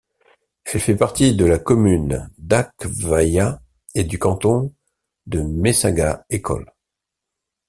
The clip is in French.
Elle fait partie de la commune d'Akwaya et du canton de Messaga Ekol.